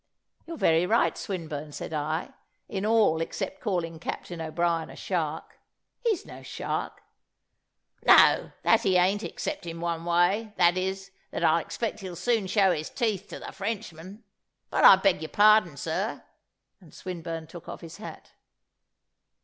"You're very right, Swinburne," said I, "in all except calling Captain O'Brien a shark. He's no shark." "No, that he ain't except in one way; that is, that I expect he'll soon show his teeth to the Frenchmen. But I beg your pardon, sir;" and Swinburne took off his hat.